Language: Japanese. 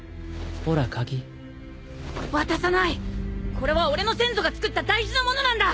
これは俺の先祖がつくった大事なものなんだ！